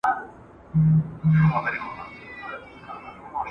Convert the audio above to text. دوی به د غوښتنو د مغلوبولو لپاره په هوښیارۍ باندي تکیه کوله.